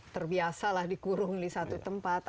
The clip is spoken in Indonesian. terbiasalah dikurung di satu tempat